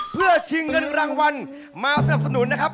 เพื่อชิงเงินรางวัลมาสนับสนุนนะครับ